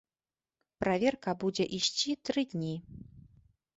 Праверка будзе ісці тры дні.